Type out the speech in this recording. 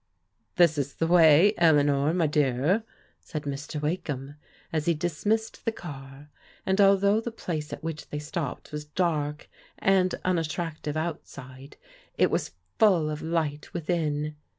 " This is the way, Eleanor, my dear," said Mr. Wake ham as he dismissed the car, and, although the place at which they stopped was dark and unattractive outside, it was full of light within.